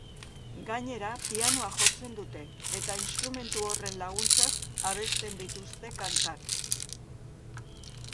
Gainera, pianoa jotzen dute, eta instrumentu horren laguntzaz abesten dituzte kantak.